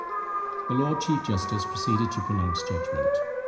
The lord chief justice proceeded to pronounce judgment.